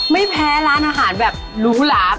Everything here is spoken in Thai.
ไม่แพ้ร้านอาหารแบบหรูหลาบ